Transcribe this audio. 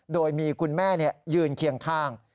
โดยมีคุณแม่ยืนเคียงข้าง